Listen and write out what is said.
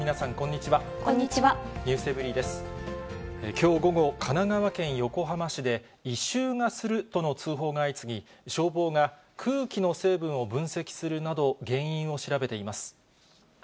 きょう午後、神奈川県横浜市で、異臭がするとの通報が相次ぎ、消防が空気の成分を分析するなど、原因を調べています。